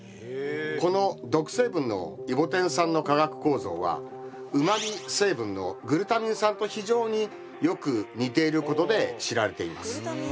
この毒成分のイボテン酸の化学構造はうまみ成分のグルタミン酸と非常によく似ていることで知られています。